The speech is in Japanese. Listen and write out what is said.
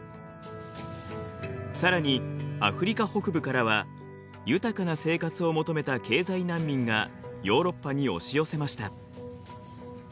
さらにアフリカ北部からは豊かな生活を求めた経済難民がヨーロッパに押し寄せました。